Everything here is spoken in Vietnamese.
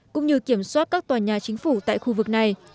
cũng như kiểm soát các tòa nhà chính phủ tại khu vực này